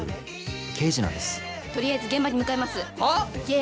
とりあえず現場に向かいます。